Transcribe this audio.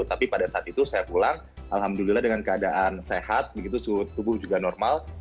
tapi pada saat itu saya pulang alhamdulillah dengan keadaan sehat begitu suhu tubuh juga normal